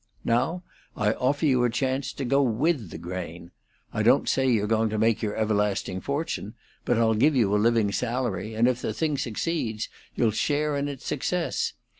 Now, I offer you a chance to go with the grain. I don't say you're going to make your everlasting fortune, but I'll give you a living salary, and if the thing succeeds you'll share in its success.